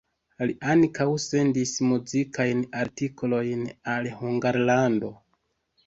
Li ankaŭ sendis muzikajn artikolojn al Hungarlando.